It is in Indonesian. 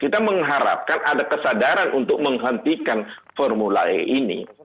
kita mengharapkan ada kesadaran untuk menghentikan formula e ini